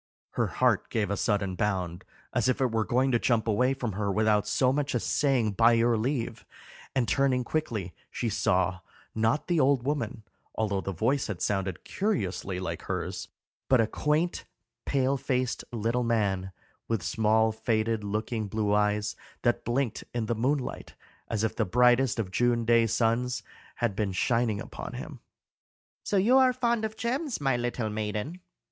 Her heart gave a sudden bound, as if it were going to jump away from her without so much as saying by your leave, and turning quickly, she saw, not the old woman although the voice had sounded curiously like hers but a quaint pale faced little man, with small faded looking blue eyes that blinked in the moonlight as if the brightest of June day suns had been shining upon him. [Illustration: "SO YOU ARE FOND OF GEMS, MY LITTLE MAIDEN?"] "So you are fond of gems, my little maiden?"